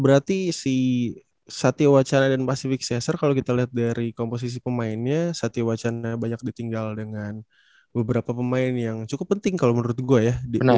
berarti si satya wacana dan pasifik cesar kalau kita lihat dari komposisi pemainnya satya wacana banyak ditinggal dengan beberapa pemain yang cukup penting kalau menurut gue ya